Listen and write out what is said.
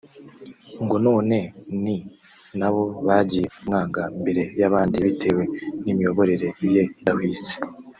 ngo none ni nabo bagiye kumwanga mbere y’abandi bitewe n’imiyoborere ye idahwitse